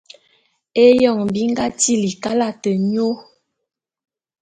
Éyoñ bi nga tili kalate nyô.